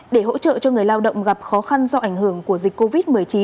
để hỗ trợ cho người lao động gặp khó khăn do ảnh hưởng của dịch covid một mươi chín